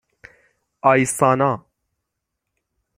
آیسانا